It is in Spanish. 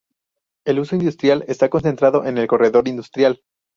El uso industrial está concentrado en el corredor industrial.